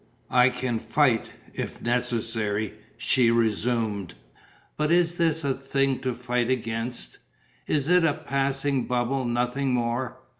"I can fight, if necessary," she resumed. "But is this a thing to fight against? It is a passing bubble, nothing more.